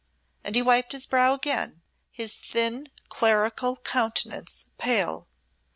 And he wiped his brow again, his thin, clerical countenance pale.